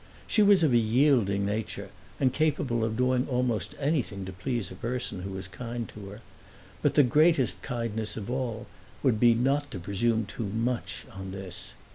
She was of a yielding nature and capable of doing almost anything to please a person who was kind to her; but the greatest kindness of all would be not to presume too much on this.